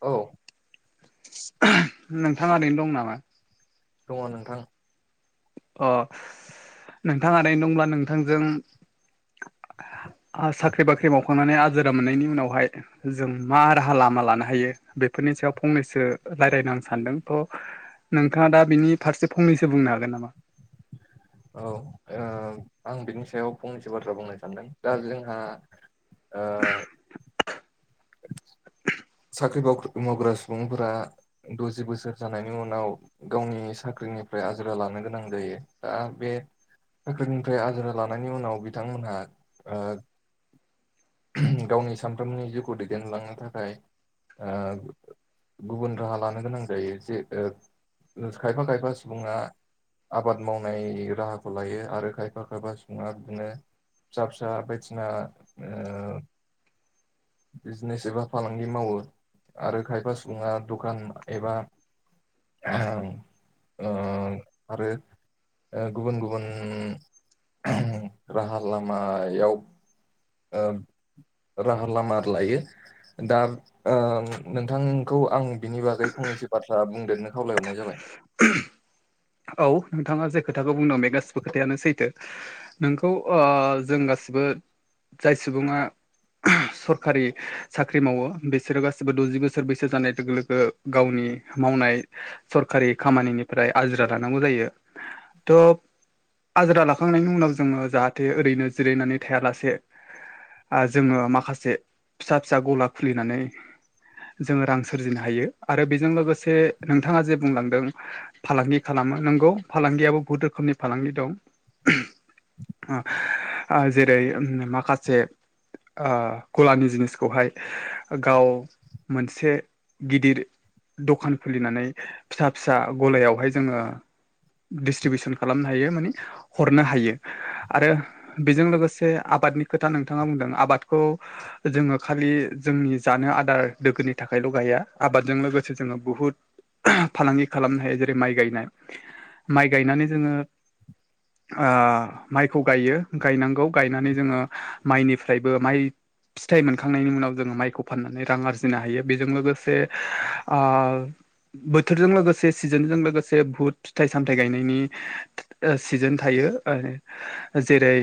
औ नोंथां ओरैनो दं नामा दङ नोंथां अ नोंथाङा उरैनो दंब्ला नोंथांजों साख्रि बाख्रि मावखांनानै आजिरा मोननायनि उनावहाय जों मा राहा लामा लानो हायो बेफोरनि सायाव फंनैसो रायज्लायनो आं सान्दों थ' नोंथाङा दा बिनि फारसे फंनैसो बुंनो हागोन नामा औ आं बिनि सायाव फंनैसो बाथ्रा बुंनो सानदों दा जोंहा आ साख्रि मावग्रा सुबुंफोरा द'जि बोसोर जानायनि उनाव गावनि साख्रिनिफ्राय आजिरा लानो गोनां जायो दा बे साख्रिनिफ्राय आजिरा लानायनि उनाव बिथांमोनहा ओ गावनि सानफ्रोमनि जिउखौ दैदेनलांनो थाखाय ओ गुबुन राहा लानो गोनां जायो जे खायफा खायफा सुबुङा आबाद मावनाय राहाखौ लायो आरो खायफा खायफा सुबुङा बिदिनो फिसा फिसा बायदिसिना आ बिजनेस एबा फालां मावो आरो खायफा सुबुङा दखान एबा ओ आरो गुबुन गुबुन राहा लामायाव ओ। राहा लामा लायो दा ओ नोंथांखौ आं बिनि बागै फंनैसो बाथ्रा बुंदेरनो खावलायहरनाय जाबाय औ नोंथाङा जे खोथाखौ बुंदों बे गासिबो खोथायानो सैथो नोंखौ ओ जों गासिबो जाय सुबुङा सरखारि साख्रि मावो बिसोरो गासिबो द'जि बोसोर बैसो जानाय लोगो लोगो गावनि मावनाय सरकारि खामानिनिफ्राय आजि रा लानांगौ जायो थ' आजिरा लाखांनायनि उनाव जोङो जाहाथे ओरैनो जिरायनानै थायालासे जोङो माखासे फिसा फिसा गला खुलिनानै जोङो रां सोरजिनो हायो आरो बेजों लोगोसे नोंथाङा जे बुंलांदों फालांगि खालामो नोंगौ फालांगियाबो बहुत रोखोमनि फालांगि दं आ जेरै माखासे गलानि जिनिसखौहाय गाव मोनसे गिदिर दखान खुलिनानै फिसा फिसा गलायावहाय जोङो दिसट्रिबिउसन खालामनो हायो माने हरनो हायो आरो बेजों लोगोसे आबादनि खोथा नोंथाङा बुंदों आबादखौ जोङो खालि जोंनि जानो आदार दोगोनि थाखायल' गाया आबादजों लोगोसे जोङो बुहुत फालांगि खालामनो हायो जेरै माइ गायनाय माइ गायनानै जोङो आ माइखौ गायो गायनांगौ गायनानै जोङो माइनिफ्रायबो माइ फिथाइ मोनखांनायनि उनाव जोङो माइखौ फाननानै रां आरजिनो हायो बेजों लोगोसे आ बोथोरजों लोगोसे सिजोनजों लोगो से बुहुत फिथाइ सामथाइ गायनायनि सिजोन थायो जेरै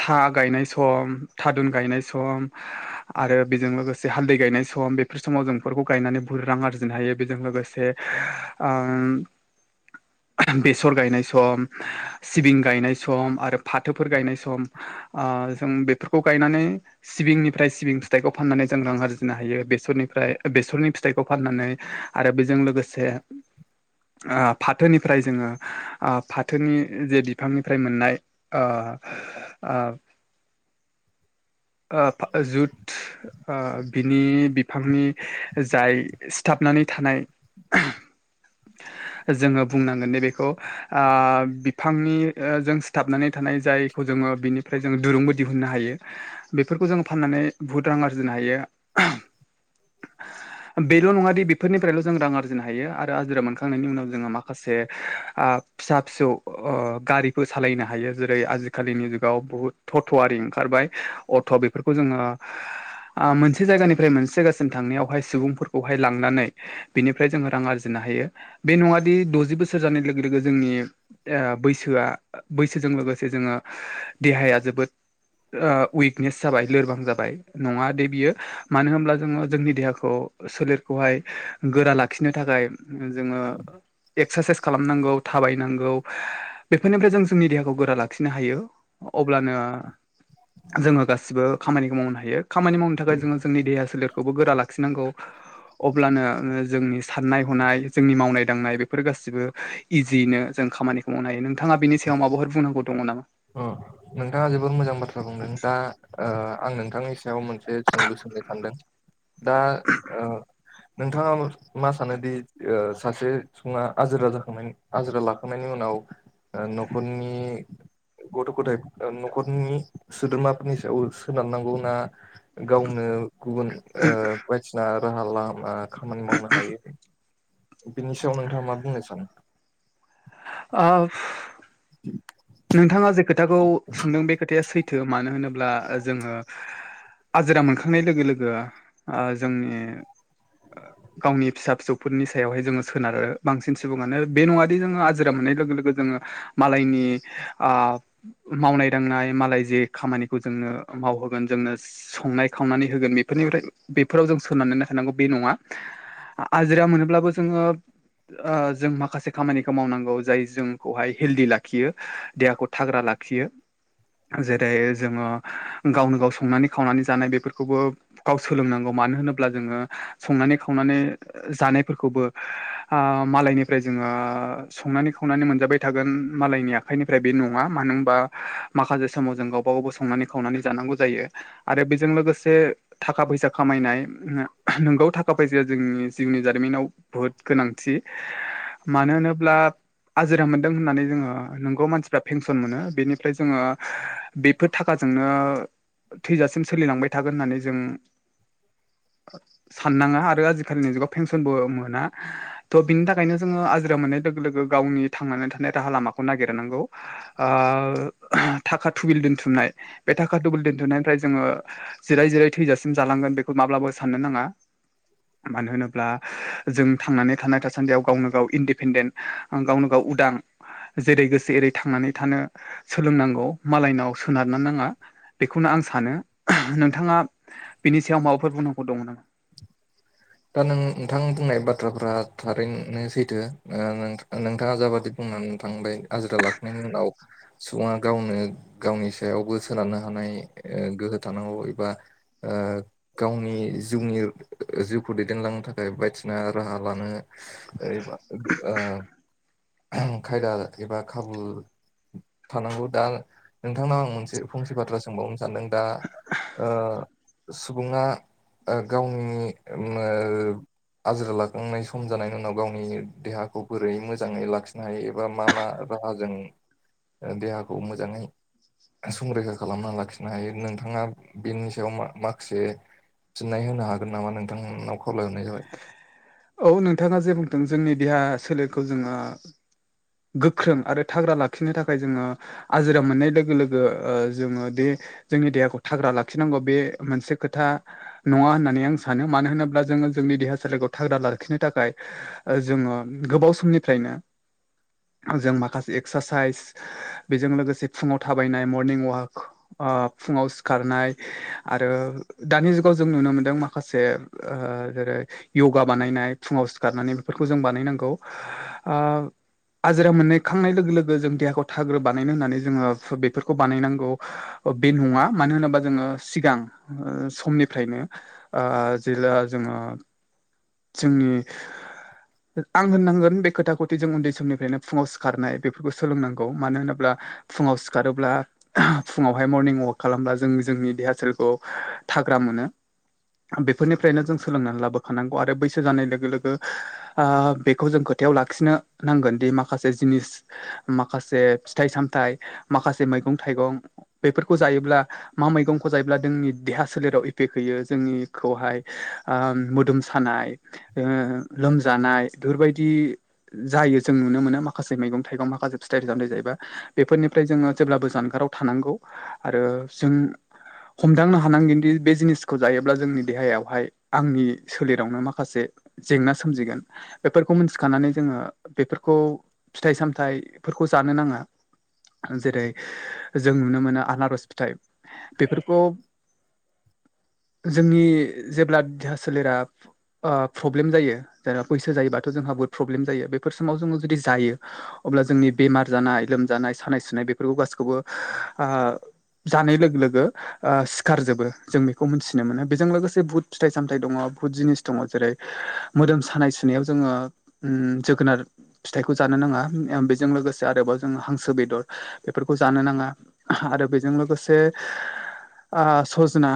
था गायनाय सम थादुन गायनाय सम आरो बेजों लोगोसे हालदै गायनाय सम बेफोर समाव जोंफोरखौ गायनानै बुहुत रां आरजिनो हायो बेजों लोगोसे आम [unintelligible] बेसर गायनाय सम सिबिं गायनाय सम आरो फाथोफोर गायनाय सम आ जों बेफोरखौ गायनानै सिबिंनिफ्राय सिबिं फिथाइखौ फाननानै जों रां आरजिनो हायो बेसरनिफ्राय बेसरनि फिथाइखौ फाननानै आरो बेजों लोगोसे आ फाथोनिफ्राय जोङो आ फाथोनि जे बिफांनिफ्राय मोननाय आ आ [unintelligible] जुथ [unintelligible] बिनि बिफांनि जाय सिथाबनानै थानाय [inaudible] जोङो बुंनांगोन नैबेखौ आ बिफांनि जों सिथाबनानै थानाय जाय खौ जोङो बिनिफ्राय जोङो दुरुंबो दिहुननो हायो बेफोरखौ जों फाननानै बुहुत रां आरजिनो हायो बेल' नङा दि बेफोरनिफ्रायल' जों रां आरजिनो हायो आरो आजिरा मोनखांनायनि उनाव जोङो माखासे आ फिसा फिसौ ओ गारिफोर सालायनो हायो जेरै आजिखालिनि जुगाव बुहुद टट' आरि ओंखारबाय अट' बेफोरखौ जोङो ओ मोनसे जायगानिफ्राय मोनसे जायगासिम थांनायावहाय सुबुंफोरखौहाय लांनानै बेनिफ्राय जोङो रां आरजिनो हायो बे नङा दि द'जि बो सोर जानाय लोगो लोगो जोंनि ओ बैसोआ बैसोजों लोगोसे जोङो देहाया जोबोद ओ उइकनेस जाबाय लोरबां जाबाय नङा दे बियो मानो होमब्ला जोङो जोंनि देहाखौ सोलेरखौहाय गोरा लाखिनो थाखाय जोङो एक्सारसाइस खालामनांगौ थाबायनांगौ बेफोरनिफ्राय जों जोंनि देहाखौ गोरा लाखिनो हायो अब्लानो जोङो गासिबो खामानिखौ मावनो हायो खामानि मावनो थाखाय जोङो जोंनि देहा सोलेरखौबो गोरा लाखिनांगौ अब्लानो जोंनि साननाय हनाय जोंनि मावनाय दांनाय बेफोर गासिबो इजियैनो जों खामानिखौ मावनो हायो नोंथाङा बेनि सायाव माबाफोर बुंनांगौ दङ नामा अ नोंथाङा जोबोद मोजां बाथ्रा बुंदों दा ओ आं नोंथांनि सायाव मोनसे से जोंलु सोंनो सानदों दा ओ नोंथाङा मा सानोदि ओ सासे सुबुङा आजिरा जाखांनायनि आजिरा लाखांनायनि उनाव ओ नखरनि गथ' गथाइ न'खरनि सोद्रोमाफोरनि सायाव सोनारनांगौ ना गावनो गुबुन ओ बायदिसिना राहा लामा खामानि मावनो हायो बिनि सायाव नोंथाङा मा बुंनो सानो आ [inaudible] नोंथाङा जे खोथाखौ सोंदों बे खोथाया सैथो मानो होनोब्ला जोङो आजिरा मोनखांनाय लोगो लोगो ओ जोंनि गावनि फिसा फिसौफोरनि सायावहाय जोङो सोनारो बांसिन सुबुङानो बे नङादि जोङो आजिरा मोननाय लोगो लोगो जोङो मालायनि आ मावनाय दांनाय मालाय जे खामानिखौ जोंनो मावहोगोन जोंनो संनाय खावनानै होगोन बेफोरनिफ्राय बेफोराव जों सोनारनानै थानांगौ बे नङा आजिरा मोनोब्लाबो जोङो ओ जों माखासे खामानिखौ मावनांगौ जाय जोंखौहाय हेल्डि लाखियो देहाखौ थाग्रा लाखियो जेरै जोङो गावनो गाव संनानै खावनानै जानाय बेफोरखौबो गाव सोलोंनांगौ मानो होनोब्ला जोङो संनानै खावनानै जानायफोरखौबो आ मालायनिफ्राय जोङो संनानै खावनानै मोनजाबाय थागोन मालायनिया खायनिफ्राय बे नङा मानो होनबा माखासे समाव जों गावबा गावाव संनानै खावनानै जानांगौ जायो आरो बेजों लोगोसे थाखा फैसा खामायनाय नंगौ थाखा फैसाया जोंनि जिउनि जारिमिनाव बुहुद गोनांथि मानो होनोब्ला आजिरा मोनदों होननानै जोङो नंगौ मानसिफ्रा पेनसन मोनो बेनिफ्राय जोङो बेफोर थाखाजोंनो थैजासिम सोलिलांबाय थागोन होननानै जों साननाङा आरो आजिखालिनि जुगाव पेनसनबो मोना त' बिनि थाखायनो जोङो आजिरा मोननाय लोगो लोगो गावनि थांनानै थानाय राहा लामाखौ नागिरनांगौ ओ थाखा थुबिल दोनथुमनाय बे थाखा थुबल दोनथुमनायनिफ्राय जोङो जिराय जिराय थैजासिम जालांगोन बेखौ माब्लाबो साननो नाङा मानो होनोब्ला जों थांनानै थानाय थासानदियाव गावनो गाव इन्डिपेन्डेन्ट आं गावनो गाव उदां जेरै गोसो एरै थांनानै थानो सोलोंनांगौ मालायनाव सोनारनो नाङा बेखौनो आं सानो नोंथाङा बिनि सायाव माबाफोर बुंनांगौ दं नामा [inaudible] दा नों नोंथां बुंनाय बाथ्राफ्रा थारैनो सैथो ओ नों नोंथांङा जाबादि बुंनानै थांबाय आजिरा लाखांनायनि उनाव सुबुंङा गावनो गावनि सायावबो सोनारनो हानाय ओ गोहो थानांगौ एबा ओ गावनि जिउनि जिउखौ दैदेनलांनो थाखाय बायदिना राहा लानो ओरैबा ओ खायदा एबा खाबुल थानांगौ दा नोंथांनाव आं मोनसे उ फंसे बाथ्रा सोंबावनो सानदों दा ओ सुबुंङा ओ गावनि ओ आजिरा लाखांनाय सम जानायनि उनाव गावनि देहाखौ बोरै मोजांङै लाखिनो हायो एबा मा मा राहाजों देहाखौ मोजांङै संरैखा खालामना लाखिनो हायो नोंथांङा बेनि सायाव माखासे फिननाय होनो हागोन नामा नोंथांनाव खावलायहरनाय जाबाय औ नोंथांङा जे बुंदों जोंनि देहा सोलेरखौ जोंङो गोख्रों आरो थाग्रा लाखिनो थाखाय जोंङो आजिरा मोननाय लोगो लोगो ओ जोंङो बे जोंनि देहाखौ थाग्रा लाखिनांगौ बे मोनसे खोथा नङा होननानै आं सानो मानो होनोब्ला जोङो जोंनि देहा सोलेरखौ थाग्रा लाखिनो थाखाय जोंङो गोबाव समनिफ्रायनो जों माखासे एक्सारसाइस बेजों लोगोसे फुङाव थाबायनाय मरनिं ववाक फुंङाव सिखारनाय आरो दानि जुगाव जों नुनो मोनदों माखासे जेरै य'गा बानायनाय फुङाव सिखारनानै बेफोरखौ जों बानायनांगौ ओ आजिरा मोननाय खांनाय लोगो लोगो जों देहाखौ थाग्रो बानायनो होननानै जोंङो बेफोरखौ बानायनांगौ। बे नंङा मानो होनोबा जोंङो सिगां समनिफ्रायनो ओ जेला जोंङो जोंनि आं होननांगोन बे खोथाखौथि जों उन्दै समनिफ्रायनो फुंङाव सिखारनाय बेफोरखौ सोलोंनांगौ मानो होनोब्ला फुंङाव सिखारोब्ला फुंङावहाय मरनिं अवाक खालामब्ला जों जोंनि देहा सोलखौ थाग्रा मोनो। बेफोरनिफ्रायनो जों सोलोंनानै लाबोखानांगौ आरो बैसो जानाय लोगो लोगो बेखौ जों खोथायाव लाखिनो नांगोन दि माखासे जिनिस माखासे फिथाइ सामथायाइ माखासे मैगं थाइगं बेफोरखौ जायोब्ला मा मैगंखौ जायोब्ला जोंनि देहा सोलेराव इफेक्ट होयो जोंनिखौहाय मोदोम मोसानाय लोमजानाय बेफोरबायदि जायो जों नुनो मोनो माखासे मैगं थाइगं माखासे फिथाइफोर सामथाइ जायोबा। बेफोरनिफ्राय जोङो जेब्लाबो जानगाराव थानांगौ आरो जों हमदांनो हानांगोनदि बे जिनिसखौ जायोब्ला जोंनि देहायावहाय आंनि सोलेरावनो माखासे जेंना सोमजिगोन बेफोरखौ मोनथिखानानै जोंङो बेफोरखौ फिथाइ सामथाइफोरखौ जानो नांगोन जेरै जों नुनो मोनो आनारस फिथाइ बेफोरखौ जोंनि जेब्ला देहा सोलेरा प्रब्लेम जायो जेना बैसो जायोबाथ' जोंहा बहुद प्रब्लेम जायो बेफोर समाव जोंङो जुदि जायो। अब्ला जोंनि बेमार जानाय लोमजानाय सानाय सुनाय बेफोरखौ गाैखौबो ओ जानाय लोगो लोगो सिखार जबो जों बेखौ मिथिनो मोनो बेजों लोगोसे बुहुत फिथाइ सामथा दंङो बुहुत जिनिस दंङो जेरै मोदोम सानाय सुनायाव जोंङो जोगोनार फिथाइखौ जानो नांङा बेजों लोगोसे आरोबाव जोंङो हांसो बेदर बेफोरखौ जानो नांङा आरो बेजों लोगोसे ओ सजना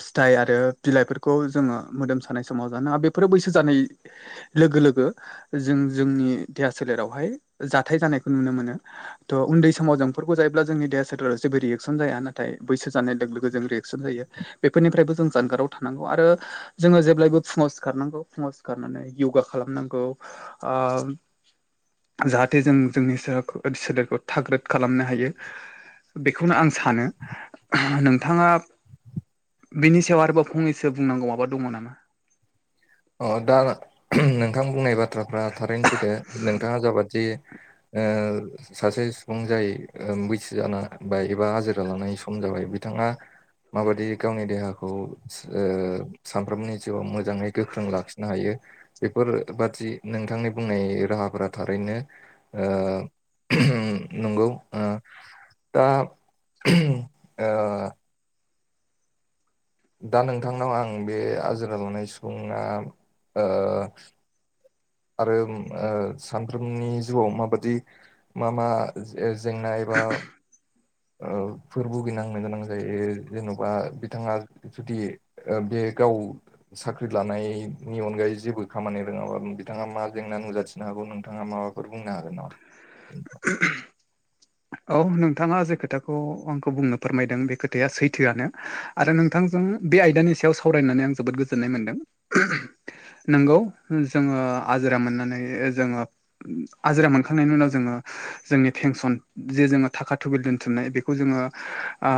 फिथाइ आरो बिलाइफोरखौ खौ जोंङो मोदोमसानाय समाव जानो बेफोरो बैसो जानाय लोगो लोगो जों जोंनि देहा सोलेरावहाय जाथाय जानायखौ नुनो मोनो। थ' उन्दै समाव जोंफोरखौ जायोब्ला जोंनि देहा सोलेराव जेबो रियेकसन जाया नाथाय बैसो जानाय लोगो लोगो जों रियेकसन जायो। बेफोरनिफ्रायबो जों जानगाराव था‌ नांगौ आरो जोङो जेब्लायबो फुङाव सिखारनांगौ फुङाव सिखारनानै यगा खालामनांगौ। ओ जाहाथे जों जोंनि सो सोलेरखौ थाग्रोद खालामनो हायो। बेखौनो आं सानो नोंथाङा बिनि सायाव आरोबाव फंनैसो बुंनांगौ माबा दङ नामा? अ दा नोंथां बुंनाय बाथ्राफ्रा थारैनो सैथो नोंथाङा जाबादि ओ सासे सुबुं जाय बैसो जानाय एबा हाजिरा लानाय सम जाबाय बिथाङा माबादि गावनि देहाखौ सानफ्रोमबोनि जिउआव मोजां मोजाङै गोख्रों लाखिनो हायो बेफोर बादि नोंथांनि बुंनाय राहाफोरा थारैनो ओ नंगौ ओ दा ओ दा नोंथांनाव आं बे आजिरा लानाय सुबुङा ओ आरो सानफ्रोमबोनि जिउआव माबादि मा मा जेंना एबा फोर भुगिनांनो गोनां जायो जेन'बा बिथाङा जुदि बे गाव साख्रि लानायनि अनगायै जेबो खामानि रोङाबा बिथाङा मा जेंना नुजाथिनो हागौ नोंथाङा माबा बुंनो हागोन ना [inaudible] औ नोंथाङा जे खोथाखौ आंखौ बुंनो फोरमायदों बे खोथाया सैथोआनो आरो नोंथांजों बे आयदानि सायाव सावरायनानै आं जोबोद गोजोननाय मोनदों नोंगौ जोङो आजिरा मोननानै जोङो आजिरा मोनखांनायनि उनाव जोङो जोंनि फेनसन जे जोङो थाखा थुबुल दोनथुमनाय बेखौ जोङो ओ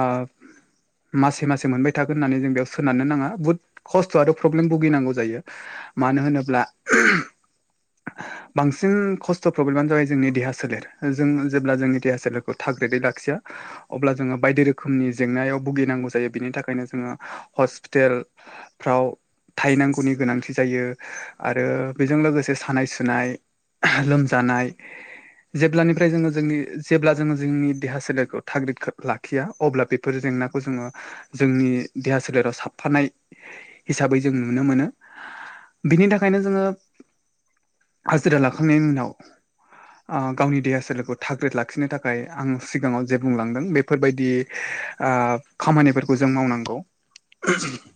मासे मासे मोनबाय थागोन होननानै जों बेयाव सोनारनो नाङा बुहुत खस्थ' आरो प्रब्लेम भुगिनांगौ जायो मानो होनोब्ला बांसिन खस्थ' प्रब्लेमानो जाबाय जोंनि देहा सोलेर जों जेब्ला जोंनि देहा सोलेरखौ थाग्रोदै लाखिया अब्ला जोङो बायदि रोखोमनि जेंनायाव भुगिनांगौ जायो बिनि थाखायनो जोङो हस्पिटेल फ्राव थाहैनांगौनि गोनांथि जायो आरो बेजों लोगोसे सानाय सुनाय लोमजानाय जेब्लानिफ्राय जोङो जोंनि जेब्ला जोङो जोंनि देहा सोलेरखौ थाग्रोद लाखिया अब्ला बेफोर जेंनाखौ जोङो जोंनि देहा सोलेराव साबफानाय हिसाबै जों नुनो मोनो बिनि थाखायनो जोङो हाजिरा लाखांनायनि उनाव गावनि देहा सोलोखौ थाग्रोद लाखिनो लाखिनो थाखाय आं सिगाङाव जे बुंलांदों बेफोरबायदि खामानिफोरखौ जों मावनांगौ [inaudible]